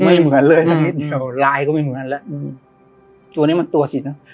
ไม่เหมือนเลยสักนิดเดียวลายก็ไม่เหมือนกันแล้วตัวเนี้ยมันตัวสิเนอะ